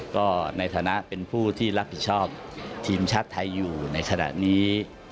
ก็ในฐานะเป็นผู้ที่รับผิดชอบทีมชาติไทยอยู่ในขณะนี้